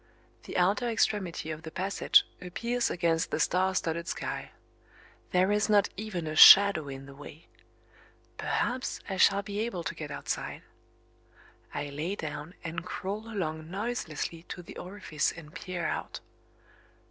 The outer extremity of the passage appears against the star studded sky. There is not even a shadow in the way. Perhaps I shall be able to get outside. I lay down, and crawl along noiselessly to the orifice and peer out.